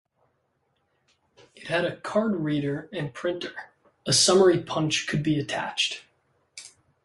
It had a card reader and printer; a summary punch could be attached.